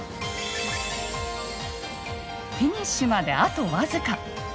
フィニッシュまであとわずか。